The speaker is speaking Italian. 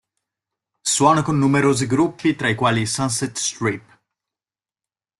Suona con numerosi gruppi, tra i quali i Sunset Strip.